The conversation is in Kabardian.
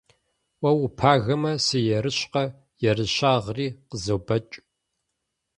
Уэ упагэмэ, сыерыщкъэ, ерыщагъри къызобэкӀ.